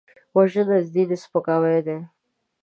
وژنه د دین سپکاوی دی